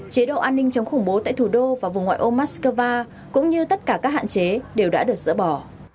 chế độ an ninh chống khủng bố tại thủ đô và vùng ngoại ô moscow cũng như tất cả các hạn chế đều đã được dỡ bỏ